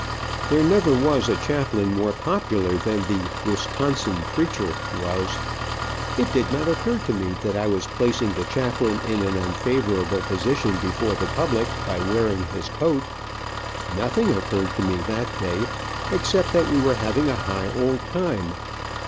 There never was a chaplain more popular than the "Wisconsin preacher" was. It did not occur to me that I was placing the chaplain in an unfavorable position before the public, by wearing his coat. Nothing occurred to me, that day, except that we were having a high old time.